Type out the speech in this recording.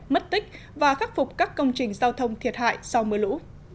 mất tích và khắc phục các công trình giao thông thiệt hại sau mưa lũ